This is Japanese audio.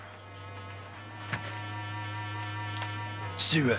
父上。